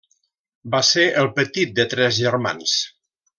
Va ser el petit de tres germans.